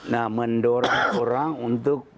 nah mendorong orang untuk